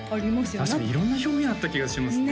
確かに色んな表現あった気がしますね